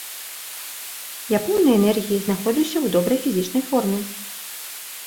Я поўны энергіі, знаходжуся ў добрай фізічнай форме.